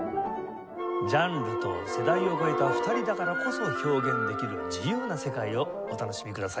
ジャンルと世代を超えた２人だからこそ表現できる自由な世界をお楽しみください。